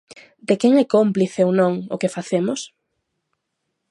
De quen é cómplice ou non o que facemos?